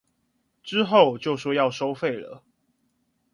之後就說要收費了